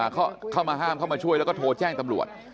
เข้ามาห้ามเข้ามาช่วยแล้วก็โทรแจ้งตำรวจ